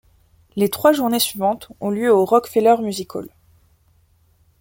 Les trois journées suivantes ont lieu au Rockfeller Music Hall.